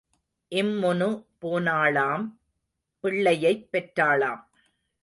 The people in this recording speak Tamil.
இம்முனு போனாளாம் பிள்ளையைப் பெற்றாளாம்.